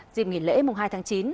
dịp nghỉ lễ hai tháng chín